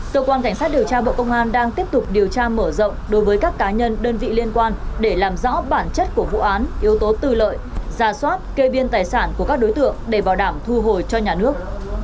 cơ quan cảnh sát điều tra bộ công an đang tiếp tục điều tra mở rộng đối với các cá nhân đơn vị liên quan để làm rõ bản chất của vụ án yếu tố tư lợi ra soát kê biên tài sản của các đối tượng để bảo đảm thu hồi cho nhà nước